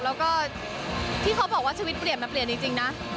แล้วก็ที่เขาบอกว่าชีวิตเปลี่ยนมาเปลี่ยนจริงนะ